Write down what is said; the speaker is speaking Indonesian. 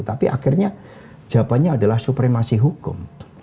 tapi akhirnya jawabannya adalah supremasi hukum